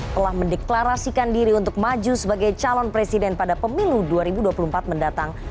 telah mendeklarasikan diri untuk maju sebagai calon presiden pada pemilu dua ribu dua puluh empat mendatang